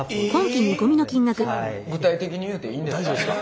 そんな具体的に言うていいんですか？